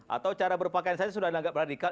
atau cara berpakaian saya sudah dianggap radikal